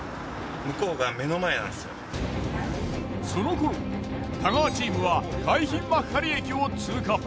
その頃太川チームは海浜幕張駅を通過。